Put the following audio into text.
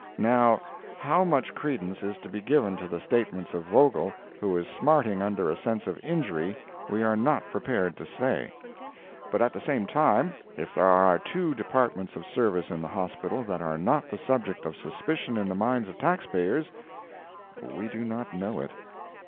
Now, how much credence is to be given to the statements of Vogel, who is smarting under a sense of injury, we are not prepared to say; but at the same time, if there are two departments of service in the Hospital that are not the subject of suspicion in the minds of taxpayers, we do not know it.